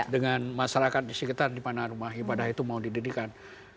dengan masyarakat di sekitar di mana rumah ibadah itu mau didirikan